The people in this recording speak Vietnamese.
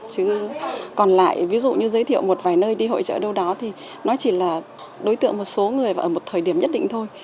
chứ còn lại ví dụ như giới thiệu một vài nơi đi hội trợ đâu đó thì nó chỉ là đối tượng một số người và ở một thời điểm nhất định thôi